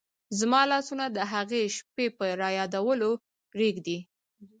زما لاسونه د هغې شپې په رایادېدلو رېږدي.